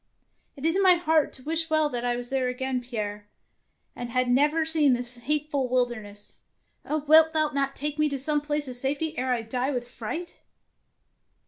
''" It is in my heart to wish well that I was there again, Pierre, and had never seen this hateful wilderness. Oh, wilt thou not take me to some place of safety ere I die with fright